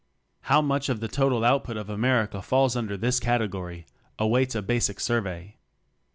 How much of the total output of Amer ica falls under this category awaits a basic survey.